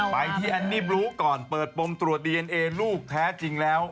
ไปที่แอนนี่บลูก่อนเปิดปมตรวจดีเอนเอลูกแท้จริงแล้ว